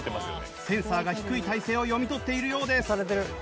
センサーが低い体勢を読み取っているようです。